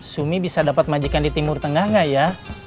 sumi bisa dapat majikan di timur tengah nggak ya